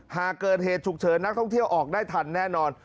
หากเกิดเหตุฉุกเฉินนักท่องเที่ยวออกได้ทันแน่นอน